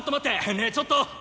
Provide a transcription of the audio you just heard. ねえちょっと！